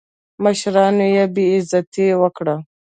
مشرانو یې بېعزتي وکړه.